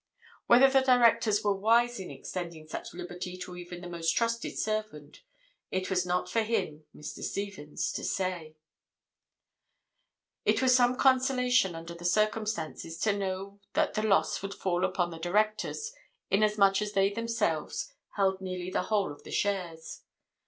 Whether the directors were wise in extending such liberty to even the most trusted servant, it was not for him (Mr. Stephens) to say; it was some consolation, under the circumstances, to know that the loss would fall upon the directors, inasmuch as they themselves held nearly the whole of the shares.